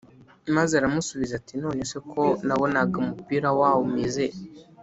maze aramusubiza ati:”None se ko nabonaga umupira wawumize